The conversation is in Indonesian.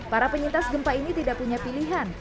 para penyintas gempa ini tidak punya pilihan